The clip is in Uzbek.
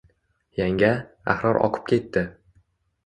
Yanga, Ahror oqib ketdi